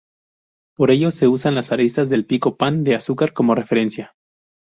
Por ello se usan las aristas del Pico Pan de Azúcar como referencia.